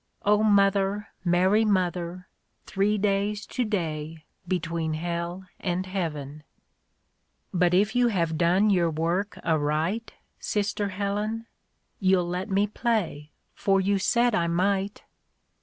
(0 Mother, Mary Mother, Three days tO'day, between Hell and Heaven .')But if you have done your work aright, Sister Helen ? You'll let me play, for you said I might."